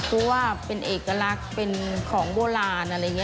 เพราะว่าเป็นเอกลักษณ์เป็นของโบราณอะไรอย่างนี้